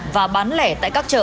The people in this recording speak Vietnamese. và bán lẻ tại các chợ